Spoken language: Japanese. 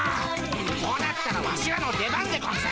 こうなったらワシらの出番でゴンス。